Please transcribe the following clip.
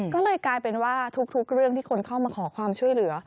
ก็เลยกลายเป็นว่าทุกเรื่องที่คนเข้ามาขอความช่วยเหลือ